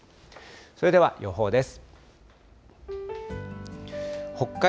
それでは予報です。